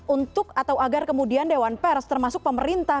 untuk atau agar kemudian dewan pers termasuk pemerintah